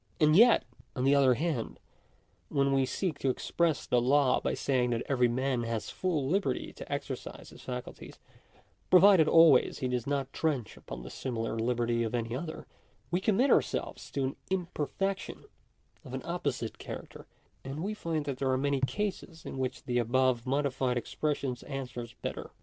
And yet, on the other hand, when we seek to express the law by saying that every man has full liberty to exercise his facul ties, provided always he does not trench upon the similar liberty of any other, we commit ourselves to an imperfection of an opposite character; and we find that there are many cases in which the above modified expression answers better.